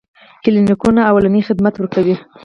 کلینیکونه لومړني خدمات ورکوي